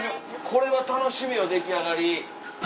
これは楽しみよ出来上がり。